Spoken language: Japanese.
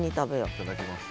いただきます。